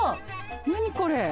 何これ。